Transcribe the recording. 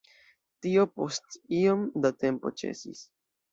Tio post iom da tempo ĉesis.